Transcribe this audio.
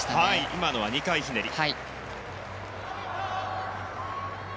今のは２回ひねりでした。